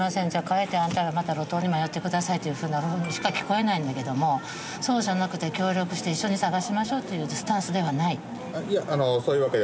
帰ってあんたらまた路頭に迷ってくださいというふうにしか聞こえないんだけどもそうじゃなくて協力して一緒に探しましょうというスタンスではない？